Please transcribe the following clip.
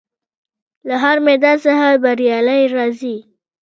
له هر میدان څخه بریالی راځي.